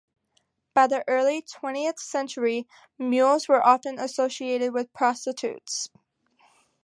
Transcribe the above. By the early twentieth century, mules were often associated with prostitutes.